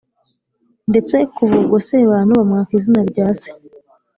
ndetse kuva ubwo sebantu bamwaka izina rya se